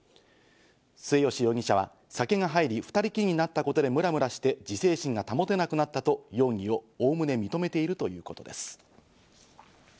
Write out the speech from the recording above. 末吉容疑者は酒が入り、２人きりになったことでムラムラして自制心が保てなくなったと容疑をおおむね認めているということです。